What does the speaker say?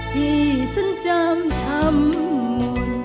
ที่ฉันจำทำ